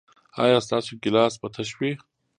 ایا ستاسو ګیلاس به تش وي؟